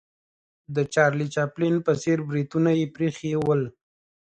د چارلي چاپلین په څېر بریتونه یې پرې ایښې ول.